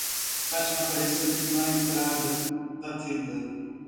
Fátima apareceu na entrada da tenda.